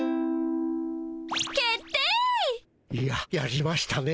決定！ややりましたね